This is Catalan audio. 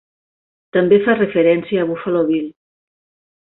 També fa referència a Buffalo Bill.